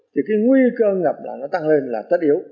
thì nguy cơ ngập tăng lên là tất yếu